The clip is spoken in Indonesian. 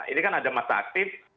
ini kan ada masa aktif